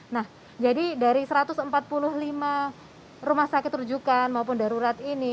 nah jadi dari satu ratus empat puluh lima rumah sakit rujukan maupun darurat ini